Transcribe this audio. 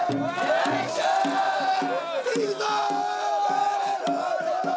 いくぞ。